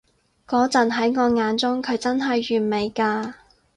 嗰陣喺我眼中，佢真係完美㗎